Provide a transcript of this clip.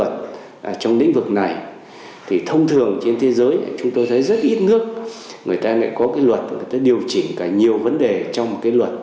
trong lĩnh vực này thông thường trên thế giới chúng tôi thấy rất ít nước người ta có luật để điều chỉnh nhiều vấn đề trong luật